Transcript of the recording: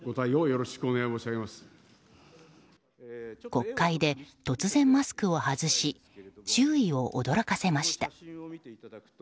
国会で突然マスクを外し周囲を驚かせました。